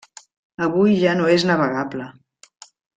Avui ja no és navegable.